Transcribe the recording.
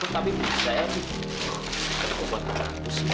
tapi sayang itu kok buat anakku sih